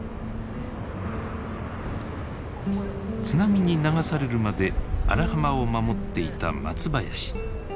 津波に流されるまで荒浜を守っていた松林。